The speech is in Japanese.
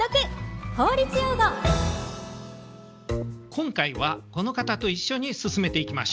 今回はこの方と一緒に進めていきましょう。